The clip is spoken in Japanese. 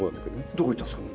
どこ行ったんすか？